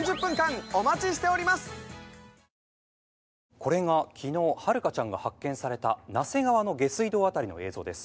「これが昨日遥香ちゃんが発見された那瀬川の下水道辺りの映像です」